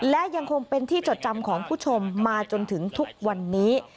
และยังคงเป็นที่จดจำของผู้ชมมาจนถึงทุกวันนี้